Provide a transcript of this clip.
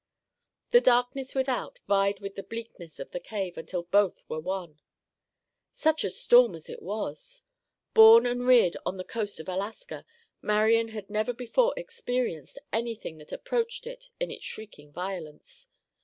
The darkness without vied with the bleakness of the cave until both were one. Such a storm as it was! Born and reared on the coast of Alaska, Marian had never before experienced anything that approached it in its shrieking violence.